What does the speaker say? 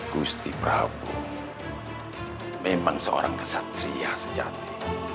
gusti prabowo memang seorang kesatria sejati